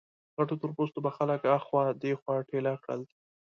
غټو تور پوستو به خلک ها خوا دې خوا ټېله کړل.